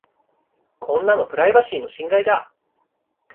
こんなのプライバシーの侵害だ。